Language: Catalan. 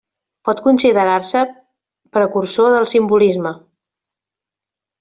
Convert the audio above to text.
Pot considerar-se precursor del simbolisme.